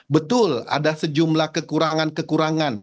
betul ada sejumlah kekurangan kekurangan